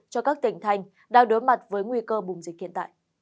cho các tỉnh thành đang đối mặt với nguy cơ bùng dịch hiện tại